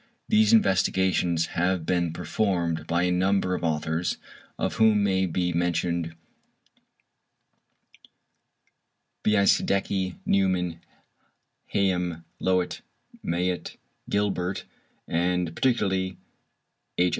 These investigations have been performed by a number of authors of whom may be mentioned Biesiadecki, Neumann, Hayem, Löwit, Mayet, Gilbert, and particularly H.